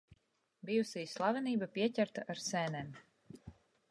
Bijusī slavenība pieķerta ar sēnēm.